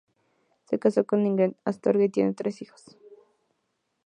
Se casó con Ingrid Astorga y tienen tres hijos.